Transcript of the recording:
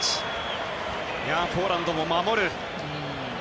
ポーランドも守る。